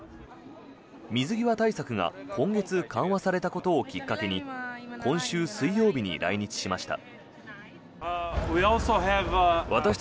水際対策が今月緩和されたことをきっかけに今週水曜日に来日しました。